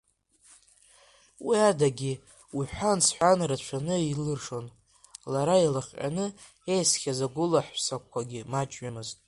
Уи адагьы, уҳәан-сҳәан рацәаны илыршон, лара илыхҟьаны еисхьаз агәылаҳәсақәагьы маҷҩымызт.